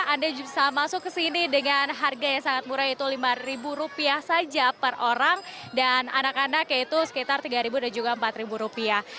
anda bisa masuk ke sini dengan harga yang sangat murah yaitu lima rupiah saja per orang dan anak anak yaitu sekitar tiga dan juga empat ribu rupiah